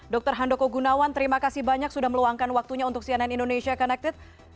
dr handoko gunawan terima kasih banyak sudah meluangkan waktunya untuk cnn indonesia connected